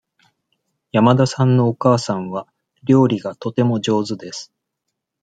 山田さんのお母さんは料理がとても上手です。